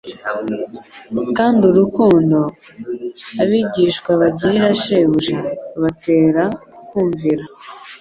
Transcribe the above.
Kandi urukundo, abigishwa bagirira Shebuja, rubatera kumvira.